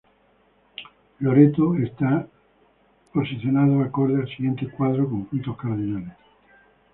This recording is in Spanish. Loreto está posicionado acorde al siguiente cuadro con puntos cardinales.